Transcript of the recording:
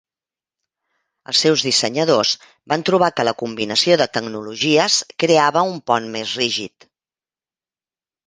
Els seus dissenyadors van trobar que la combinació de tecnologies creava un pont més rígid.